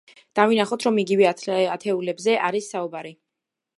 დავინახოთ, რომ იგივე ათეულებზე არის საუბარი.